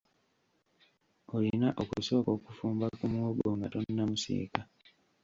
Olina okusooka okufumba ku muwogo nga tonnamusiika.